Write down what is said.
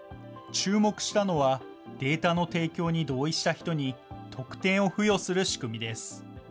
注目したのは、データの提供に同意した人に、特典を付与する仕組みです。